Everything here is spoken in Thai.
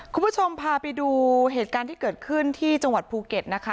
คุณผู้ชมพาไปดูเหตุการณ์ที่เกิดขึ้นที่จังหวัดภูเก็ตนะคะ